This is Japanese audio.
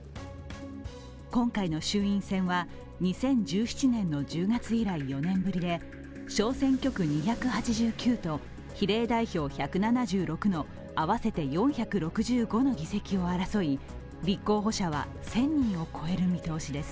今回の衆院選は、２０１７年１０月以来４年ぶりで小選挙区２８９と比例代表１７６の合わせて４６５の議席を争い立候補者は１０００人を超える見通しです。